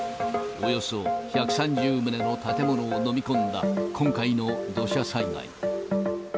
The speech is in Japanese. およそ１３０棟の建物を飲み込んだ今回の土砂災害。